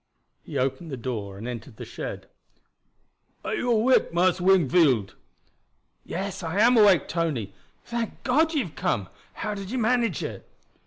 He opened the door and entered the shed. "Are you awake, Marse Wingfield?" "Yes, I am awake, Tony. Thank God you have come! How did you manage it?"